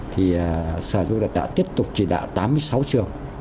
thì sở dụng đã tiếp tục chỉ đạo tám mươi sáu trường